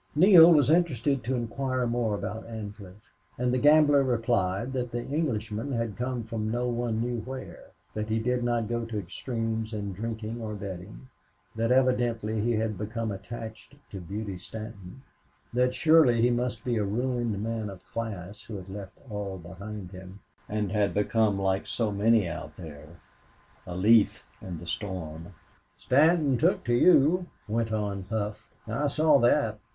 Neale was interested to inquire more about Ancliffe. And the gambler replied that the Englishman had come from no one knew where; that he did not go to extremes in drinking or betting; that evidently he had become attached to Beauty Stanton; that surely he must be a ruined man of class who had left all behind him, and had become like so many out there a leaf in the storm. "Stanton took to you," went on Hough. "I saw that....